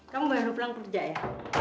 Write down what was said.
kamu baru pulang kerja ya